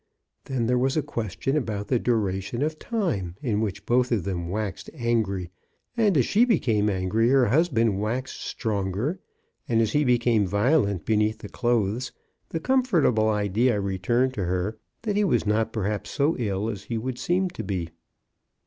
Then there was a question about the duration of time, in which both of them waxed angry ; and as she became angry, her husband waxed stronger, and as he became violent beneath the clothes, the com fortable idea returned to her that he was not perhaps so ill as he would seem to be.